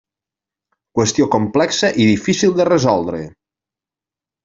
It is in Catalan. Qüestió complexa i difícil de resoldre.